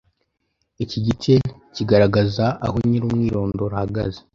Iki gice kigaragaza aho nyiri umwirondoro ahagaze